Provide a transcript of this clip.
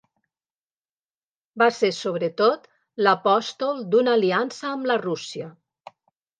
Va ser sobretot l'apòstol d'una aliança amb la Rússia.